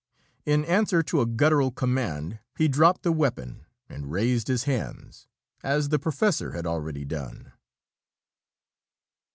In answer to a guttural command, he dropped the weapon and raised his hands, as the professor had already done.